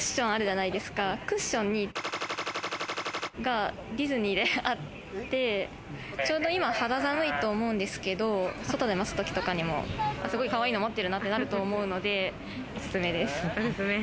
クッションにがディズニーであって、ちょうど今、肌寒いと思うんですけど、外で待つときとかにもすごいかわいいの持ってるなってなると思うのでおすすめです。